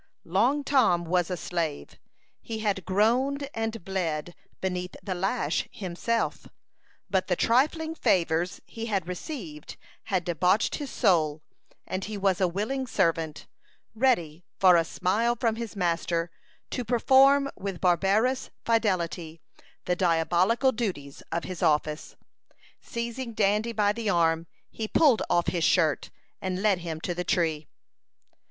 Long Tom was a slave. He had groaned and bled beneath the lash himself; but the trifling favors he had received had debauched his soul, and he was a willing servant, ready, for a smile from his master, to perform with barbarous fidelity the diabolical duties of his office. Seizing Dandy by the arm, he pulled off his shirt, and led him to the tree.